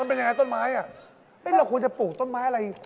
มันเป็นอย่างไงต้นไม้เราควรจะปลูกต้นไม้อะไร